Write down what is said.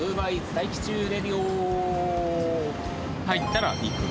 入ったら行く。